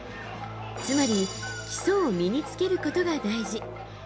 つまり基礎を身につけることが大事。